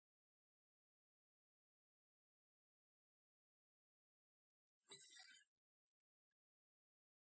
Mike watched them start and then turned to go in.